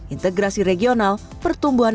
integrasi regional pertumbuhan